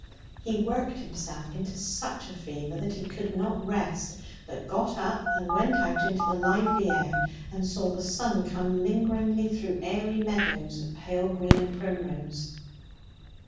He worked himself into such a fever that he could not rest, but got up and went out into the lively air, and saw the sun come lingeringly through aery meadows of pale green and primrose.